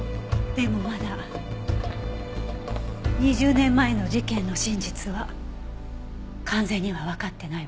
でもまだ２０年前の事件の真実は完全にはわかってないわ。